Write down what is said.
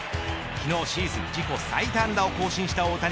昨日シーズン自己最多安打を更新した大谷。